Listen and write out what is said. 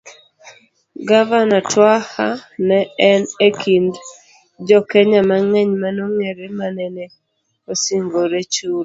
Gavana Twaha ne en e kind jokenya mang'eny manong'ere manene osingore chulo